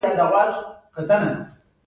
کښت یې لږ او دښت یې ډېر و